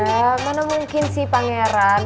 iya mana mungkin sih pangeran